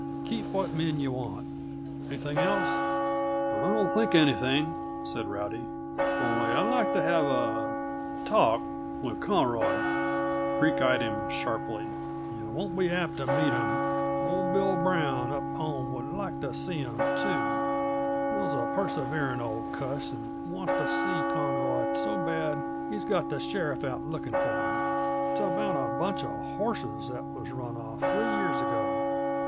"Keep what men yuh want. Anything else?" "I don't think of anything," said Rowdy. "Only I'd like to have a talk with Conroy." Creek eyed him sharply. "Yuh won't be apt t' meet him. Old Bill Brown, up home, would like to see him, too. Bill's a perseverin' old cuss, and wants to see Conroy so bad he's got the sheriff out lookin' for him. It's about a bunch uh horses that was run off, three years ago.